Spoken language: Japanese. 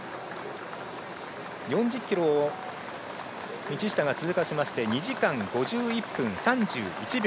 ４０ｋｍを道下が通過しまして２時間５１分３１秒。